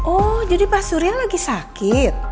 oh jadi pak surya lagi sakit